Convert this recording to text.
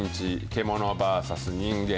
獣バーサス人間。